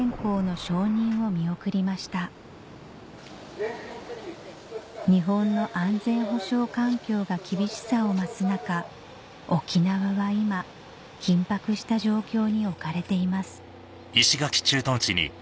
今月４日沖縄県の玉城知事は日本の安全保障環境が厳しさを増す中沖縄は今緊迫した状況に置かれています